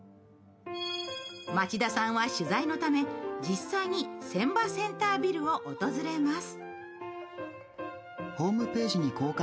町田さんは取材のため実際に船場センタービルを訪れます。